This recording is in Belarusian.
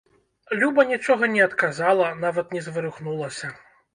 Люба нічога не адказала, нават не зварухнулася.